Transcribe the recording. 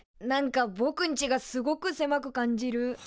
なんかぼくんちがすごくせまく感じる。